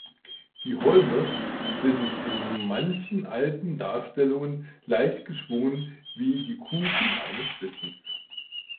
Die Holme sind in manchen alten Darstellungen leicht geschwungen, wie die Kufen eines Schlittens.